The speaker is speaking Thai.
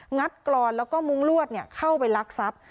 งัดกรณ์แล้วก็มุ่งลวดเนี่ยเข้าไปรักทรัพย์